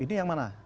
ini yang mana